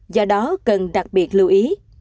do đó cần đặc biệt lưu ý